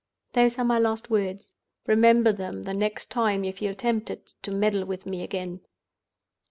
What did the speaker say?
"Those are my last words. Remember them the next time you feel tempted to meddle with me again.